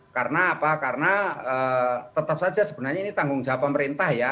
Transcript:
karena tetap saja sebenarnya ini tanggung jawab pemerintah ya